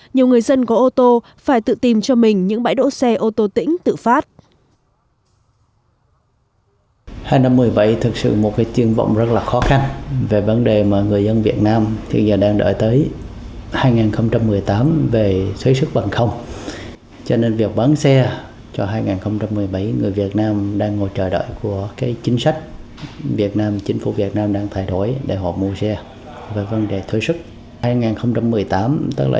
nhiều người dân có ô tô phải tự tìm cho mình những bãi đỗ xe ô tô tỉnh tự phát